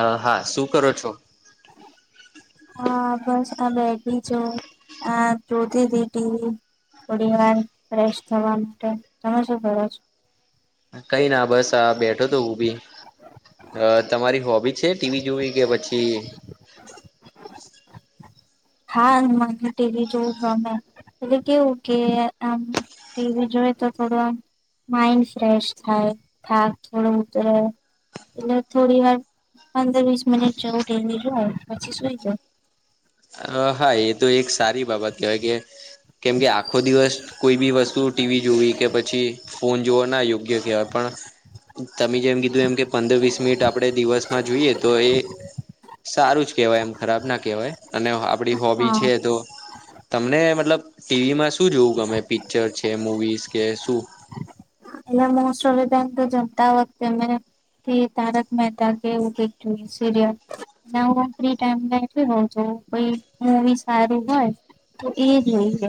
અ હા શું કરો છો [inaudible] હા બસ આ બેઠી જો આ જોતી તી ટી વી થોડી વાર ફ્રેશ થવા માટે તમે શું કરો છો? કઈ ના બસ આ બેઠો તો હું બી અ તમારી હોબી છે ટી વી જોવી કે પછી હા મને ટી વી જોવું ગમે એટલે કેવું કે આમ ટી વી જોઈએ તો થોડું આમ માઇન્ડ ફ્રેશ થાય થાક થોડો ઉતરે એટલે થોડી વાર પંદર વીસ મિનિટ જેવું ટી વી જોઉ પછી સુઈ જાઉ અ હા એ તો એક સારી બાબત કેવાય કે કેમકે આખો દિવસ કોઈ બી વસ્તુ ટી વી જોવી કે પછી ફોન જોવો ના યોગ્ય કેવાય પણ તમે જેમ કીધું એમ કે પંદર વીસ મિનિટ આપણે દિવસમાં જોઈએ તો એ સારું જ કેવાય એમ ખરાબ ના કહેવાય અને આપડી હોબી હા છે તો તમને મતલબ ટી વીમાં શું જોવું ગમે પિક્ચર છે મુવીસ કે શું એટલે મોસ્ટ ઓફ [unintelligible] તો જમતા વખતે મેં કે તારક મહેતા કે એવું કંઈક જોઈ સિરિયલ ના હું ફ્રી ટાઈમ બેઠી રઉ છું કોઈ મુવી સારી હોય તો એ જોઈએ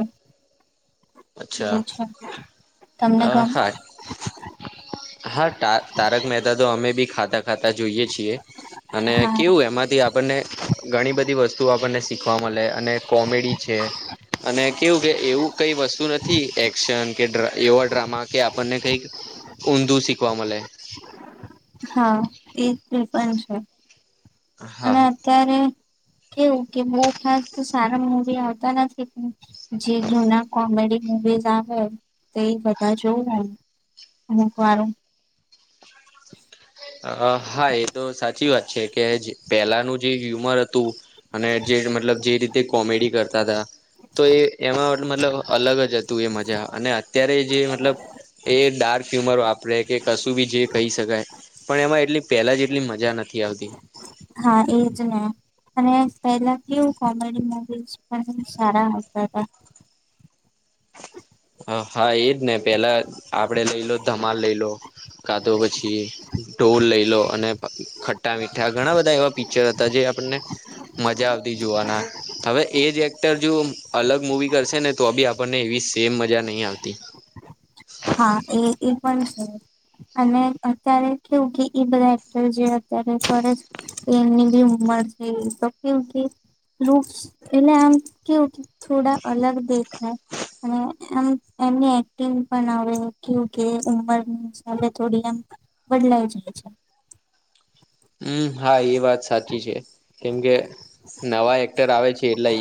અચ્છા એવું છે તમને અ ગમ હા હા ટા તારક મહેતા તો અમે બી ખાતા ખાતા જોઈએ છીએ અને હા કેવું એમાંથી આપ અને ઘણી બધી વસ્તુઓ આપણને શીખવા મળે અને કોમેડી છે અને કેવું કે એવું કઈ વસ્ તુ નથી એક્શન કે ડ્ર એવા ડ્રામા કે આપણને કઈક ઊંધું શીખવા મલે હા એ [unintelligible] પણ છે અને હા અત્યારે કેવું કે બઉ ખાસ તો સારા મુવી આવતા નથી જે જૂના કોમેડી સ આવે તે જ બધા જોઉ અમુક વાર ઉં અ હા એ તો સાચી વાત છે કે જ પેલાનું જે હ્યુમર હતું અને જેન મતલબ જે રીતે કોમેડી કરતા તા તો એ એમાં મતલબ અલગ જ હતું એ મજા અને અત્યારે જે મતલબ એ ડાર્ક હ્યુમર વાપરે કે કશું બી જે કહી શકાય પણ એમાં એટલી પેલા જ જેટલી મજા નથી આવતી હા એજ ને અને પેહલા કેવું કોમેડી મુવીઝ પણ સારા આવતા તા હ હા એજ ને પેલા આપડે લઈ લો ધમાલ લઈ લો કા તો પછી ઢોલ લઈ લો અને, ખટ્ટા મીઠા ઘણા બધા એવા પિક્ચર હતા જે આપણને, મજા આવતી જોવાના હવે એ જે એક તો હજુ અલગ મુવી કરશે ને તો ભી આપણને એવી સેમ મજા નહી આવતી. હા, એ એ પણ છે. અને અત્યારે કેવું કે એ બધા એક્ટર જે અત્યારે કરે છે, એમની બી ઉંમર થઈ તો કેવું કે લૂકસ એટલે આમ કેવું કે, થોડા અલગ દેખાય અને એમ એમની એક્ટિંગ, પણ આવે કેવું કે ઉંમર હિસાબે થોડી એમ બદલાઈ જાય છે. હમ્મ, હા એ વાત સાચી છે કેમકે, નવા એક્ટર આવે છે એટલે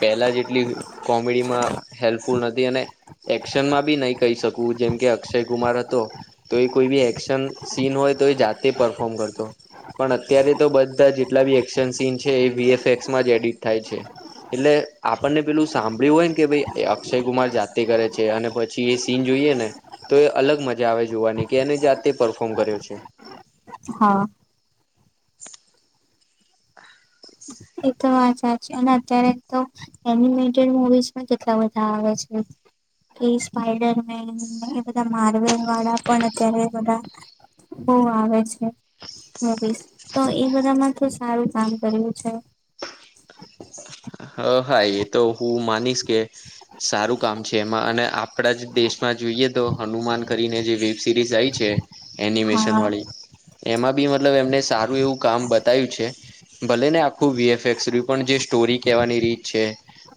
પહેલા જેટલી કોમેડીમાં, હેલ્પફુલ નથી અને એક્શનમાં બી નહીં કહી શકું જેમ કે અક્ષય કુમાર હતો. તો એ કોઈ બી એક્શન સીન હોય તો એ જાતે પરફોર્મ કરતો, પણ અત્યારે તો બધા જેટલા બી એક્શન સીન છે એ વીએફએક્સમાં જ એડિટ થાય છે. એટલે આપણને પેલું સાંભળ્યું હોય ને કે ભાઈ અક્ષય કુમાર જાતે કરે છે અને પછ પછી એ સીન જોઈએ ને તો એ અલગ મજા આવે જોવાની કે એને જાતે પરફોર્મ કર્યો છે. હા. એ તો વાત સાચી અને અત્યારે તો, એનિમેટેડ મુવીઝમાં કેટલા બધા આવે છે. એ સ્પાઈડરમેન એ બધા માર્વેલ વાળા પણ અત્યારે બધા, બહુ આવે છે. મુવીઝ તો એ બધા માં તો સારું કામ કર્યું છે. હ હા એ તો હું માનીશ કે, સારું કામ છે એમાં અને આપડા જ દેશમાં જોઈએ તો હનુમાન કરીને જે વેબ સિરીઝ આઇ છે. એનિમેશન હા વાળી એમાં બી મતલબ એમને સારું એવું કામ બતાયું છે. ભલે ને આખું વીએફએક્સ રહ્યુ પણ જે સ્ટોરી, કહેવાની રીત છે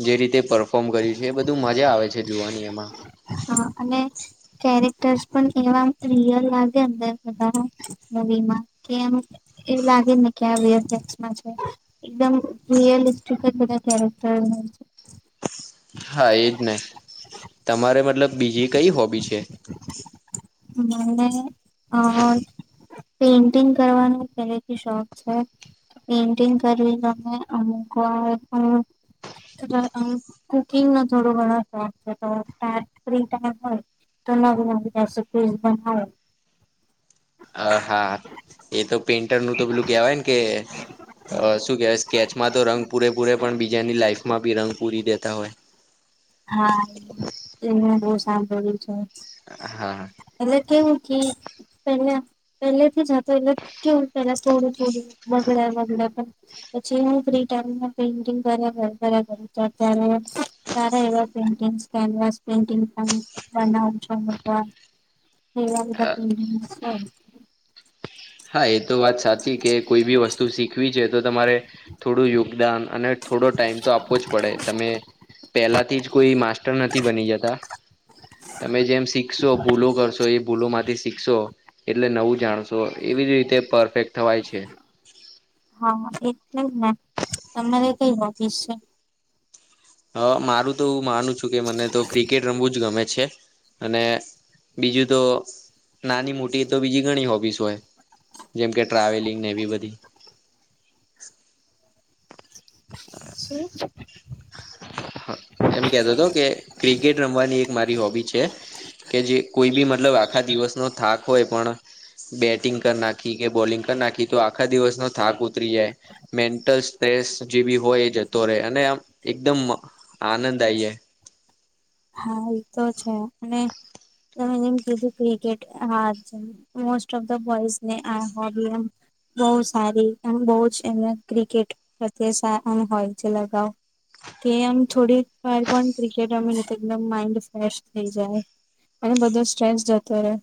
જે રીતે પરફોર્મ કર્યું છે એ બધું મજા આવે છે જોવાની એમાં, હા અને કેરેક્ટર્સ પણ એવા રિયલ લાગે અંદર બધા, મૂવીમાં કે એમ એવું લાગે ને કે આ વી એફ એસમાં છે. એકદમ રિયલિસ્ટિક જ બધા કેરેક્ટર છે. હા એજને, તમારે મતલબ બીજી કઈ હોબી છે? મને [unintelligible] પેઇન્ટિંગ કરવાનો પહેલેથી શોખ છે. પેઇન્ટિંગ કરવી ગમે, અમુક વાર તો, અહ કુકિંગનો થડો ઘણો શોખ છે તો સ્ટાર્ટ કુકિંગ ટાઈમ હોય તો નગ નબ [unintelligible] પણ હોય. અહ હા, એ તો પેઇન્ટર નું તો પેલું કેવાય ને કે, અ શું કેહેવાય સ્કેચમાં તો રંગ પૂરે પૂરે પણ બીજાની લાઈફમાં બી રંગ પૂરી દેતા હોય. હા, એ મે બહુ સંભાળ્યું છે. હા. એટલે કેવું કે પેલા પેલેથી જ, પેલ કેવું પેલા થોડું થોડું વગડ વગડ પણ, પછી હું ફ્રી ટાઈમમા પેઇન્ટિંગ કર્યા કરે, કર્યા કરે બધું જાતે ને, સારા એવા પેઇન્ટિંગ, કેન્વાસ પેઇન્ટિંગ પણ બનાવુ છુ હું પણ, એવા બધા પેઇન્ટિંગ છે. હા, એ તો વાત સાચી કે કોઈ બી વસ્તુ શીખવી છે તો તમારે થોડું યોગદાન અને થોડો ટાઈમ તો આપવો જ પડે તમે પેલાથી જ કોઈ માસ્ ટરે નથી બની ગઈ તા તમે જેમ શીક્શો, ભૂલો કરોશો એ ભૂલો માંથી શીખશો એટલે નવું જાણશો એવીજ રીતે પરફેક્ટ થવાય છે. હા, એટલે જ, ને તમારે કઈ હોબી સે? [unintelligible] મારું તો માનું છું કે મને તો ક્રિકેટ રમવું જ ગમે છે અને બીજું તો નાની મોટી તો બીજી ઘણી હોબીસ હોય. જેમકે ટ્રાવેલિંગને એવી બધી. શું? એમ કેતો અતો કે ક્રિકેટ રમવાની એક મારી હોબી છે. કે જે કોઈ બી મતલબ આખા દિવસનો થાક હોય પણ બેટિંગ કરી નાખી, કે બોલિંગ કરી નાખી, તો આખા દિવસનો થાક ઉતરી જાય. મેન્ટલ સ્ટ્રેસ જે બી હોય એ જતો રહે અને આમ એકદમ અ આનંદ આઈ જાય. હા એ તો છે અને તમે જેમ કીધું cricket [unintelligible] most of the boys ને આ હોબી [unintelligible] બહુ સારી એમ બહુ જ એને ક્રિકેટ પ્રત્યે [unintelligible] હોય છે લગાવ. કે આમ થોડી વાર પણ ક્રિકેટ [unintelligible] એકદમ માઇન્ડ ફ્રેશ થઈ જાય અને બધો સ્ટ્રેસ જતો રહે.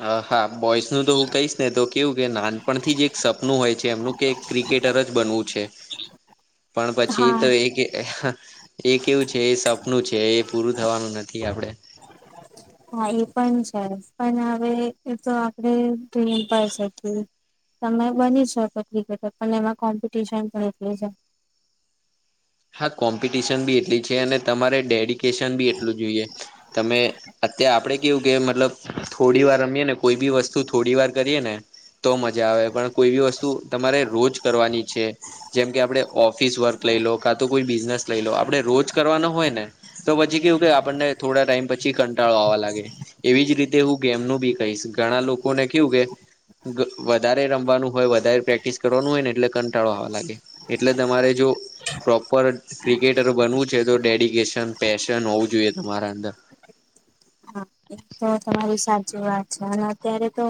હા, હા, બોઇસ નું તો [unintelligible] ને તો કેવું કે નાનપણથી જે એક સપનું હોય છે એમનું કે એક ક્રિકેટર જ બનવું છે. [inaudible] પણ પછી હા તો એક [inaudible] કે એ કેવું છે એ સપનું છે એ પૂરું થવાનું નથી આપડે. [inaudible] હા એ પણ છે પણ હવે એ તો આપડે ડ્રીમ પર [unintelligible] તમે બની શકો ક્રિકેટર પણ એમાં કોમ્પિટિશન પણ એટલી જ હા, કોમ્પિટિશન બી એટલી છે અને તમારે ડેડિકેશન બી એટલું જોઈએ. તમે અત્યારે આપણે કેવું કે મતલબ થોડી વાર રમીએે ને કોઈ બી વસ્તુ થોડી વાર કરીએ ને તો મજા આવે પણ કોઈ બી વસ્તુ તમારે રોજ કરવાની છે જેમ કે આપણે ઓફિસ વર્ક લઈ લો. કા તો કોઈ બિઝનેસ લઈ લો આપડે રોજ કરવાનો હોય ને તો પછી કેવું કે આપણને થોડા ટાઈમ પછી કંટાળો આવવા લાગે. એવી જ રીતે હું ગેમનું બી કહીશ ઘણા લોકોને કેવું કે વધારે રમવાનું હોય વધારે પ્રેક્ટિસ કરવાનું હોય ને એટલે કંટાળો આવવા લાગે. એટલે તમારે જો પ્રોપર ક્રિકેટર બનવું છે તો ડેડિકેશન પેશન હોવું જોઈએ તમારા અંદર. હા એ તો તમારી સાચી વાત છે અને અત્યારે તો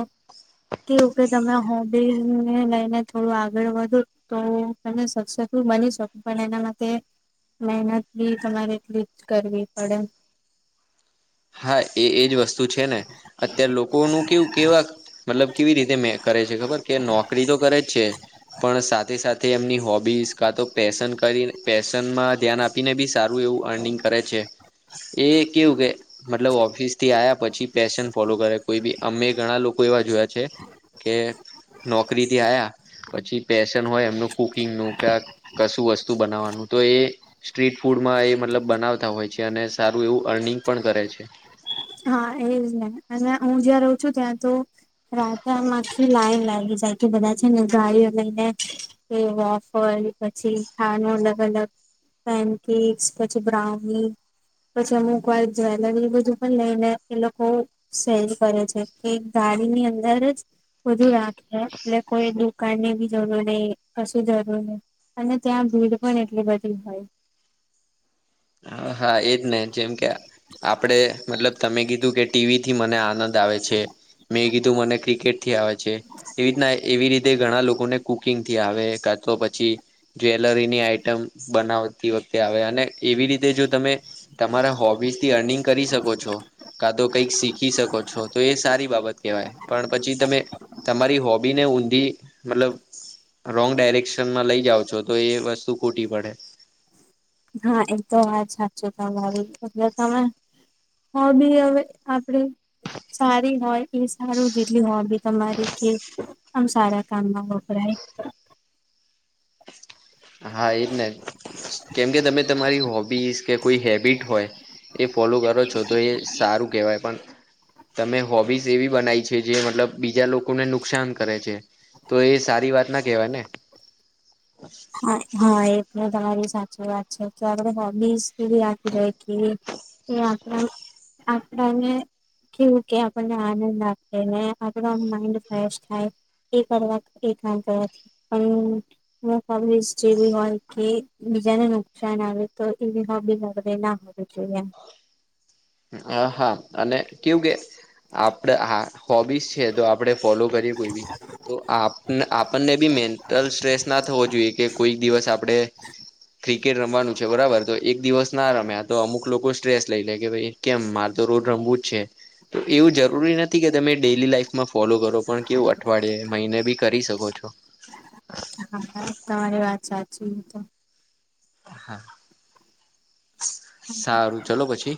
કેવું કે તમે હોબીને લઈને થોડું આગળ વધો તો તમે સક્સેસફુલ બની શકો પણ એના માટે મહેનત બી તમારે એટલી જ કરવી પડે. હા, એ એજ વસ્તુ છે ને અત્યારે લોકોનું કેવું કેવા મતલબ કેવી રીતે મે કરે છે ખબર કે નોકરી તો કરે જ છે પણ સાથે સાથે એમની હોબીઝ કા તો પેસન કરીને પેસનમાં ધ્યાન આપીને બી સારું એવું અર્નિંગ કરે છે. એ કેવું કે મતલબ ઓફિસ થી આવ્યા પછી પેશન ફોલો કરે કોઈ બી અમે ઘણા લોકો એવા જોયા છે. કે નોકરીથી આયા પછી પેશન હોય એમનું કુકિંગ નું કે કશું વસ્તુ બનાવવાનું તો એ સ્ટ્રીટ ફૂડમાં એ મતલબ બનાવતા હોય છે અને સારું એવું અર્નિંગ પણ કરે છે. હા એજ ને અને હું જ્યાં રહઉ છું ત્યાં તો રાજામાંથી લાઈન લાગી જાય કે બધા છે ને ગાડીઓ એ વોફ હોય પછી ખાનું અલગ અલગ પેનકેક્સ પછી બ્રાઉની પછી અમુક વાઈ જ્વેલરી બધું લઈને એ લોકો સેલ કરે છે કે ગાડીની અંદર જ બધું રાખે એટલે કોઈ દુકાનની બી જરૂર નહી કશું જરૂર નહી અને ત્યાં ભીડ પણ એટલી બધી હોય હા એ જ ને જેમ કે આપણે મતલબ તમે કીધું કે ટીવીથી મને આનંદ આવે છે મેં કીધું મને ક્રિકેટ થી આવે છે એવી રીતના એવી રીતના તે ઘણા લોકોને કુકિંગ થી આવે કા તો પછી જ્વેલરીની આઈટમ બનાવતી વખતે આવે અને એવી રીતે જો તમે તમારા હોબીઝ થી અર્નિંગ કરી શકો છો. કા તો કઈક શીખી શકો છો તો એ સારી બાબત કહેવાય પણ પછી તમે તમારી હોબી ને ઊંધી મતલબ રોંગ ડાયરેક્શનમાં લઇ જાવ છો તો એ વસ્તુ ખૂટી પડે હા એ તો વાત સાચું તમારી એટલે તમે હોબી હવે આપડે સારી હોય એ સારું જેટલી હોબી તમારી કે આમ સારા કામમાં વપરાય હા એજ ને કેમ કે તમે તમારી હોબીસ કે કોઈ હેબિટ હોય એ ફોલો કરો છો તો એ સારું કહેવાય પણ તમે હોબીઝ એવી બનાવી છે જે મતલબ બીજા લોકોને નુકસાન કરે છે. તો એ સારી વાત ના કેહેવાય ને હા હા એ તમારી સાચી વાત છે કે આપડે હોબીસ એ યાદ રહે કે એ આપ યાત્ર આપડા ને કેઉ કે આપણને આનંદ લે આપે માઇન્ડ ફેશ થાય એ કરવા એ કામ કરવાથી પણ એવું હોબીઝ જેવી હોય કે બીજાને નુકસાન આવે તો એવી હોબીઝ વગેરે ના હોવી જોઈએ એમ. હ હા અને કેવું કે આપડે હા હોબીસ છે તો આપડે ફોલો કરી કોઈ બી તો આ આપણને બી મેન્ટલ સ્ટ્રેસ ના થવો જોઈએ કે કોઈક દિવસ આપણે ક્રિકેટ રમવાનું છે બરાબર તો એક દિવસ ના રમ્યા તો અમુક લોકો સ્ટ્રેસ લઇ લે કે ભાઈ કેમ મારે તો રોડ રમવું જ છે. તો એવું જરૂરી નથી કે તમે ડેલી લાઈફમાં ફોલો કરો પણ કેવું અઠવાડિયે મહિને બી કરી શકો છો. હા તમારી વાત સાચી [unintelligible] હા સારું ચલો પછી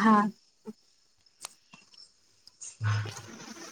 હા. હા. [inaudible]